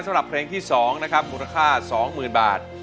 สำหรับเพลงที่สองนะครับมูลค่าสองหมื่นบาท